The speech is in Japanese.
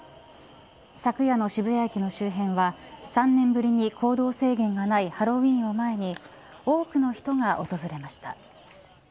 昨夜の渋谷駅の周辺は３年ぶりに行動制限がないハロウィーンを前に多くの人が訪れました。